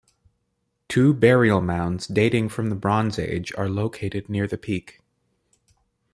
Two burial mounds dating from the Bronze Age are located near the peak.